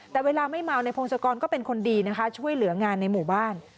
แต่เวลาไม่เมาในพงศกรก็เป็นคนดีนะคะช่วยเหลืองานในหมู่บ้าน